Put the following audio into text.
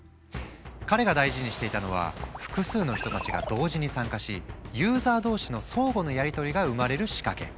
彼が大事にしていたのは複数の人たちが同時に参加しユーザー同士の相互のやりとりが生まれる仕掛け。